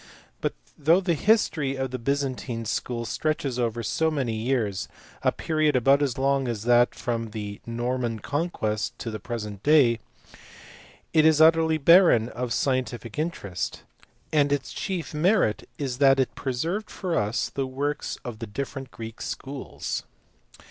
But though the history of the Byzantine school stretches over so many years a period about as long as that from the Norman Conquest to the present day it is utterly barren of any scientific interest ; and its chief merit is that it preserved for us the works of the different Greek schools.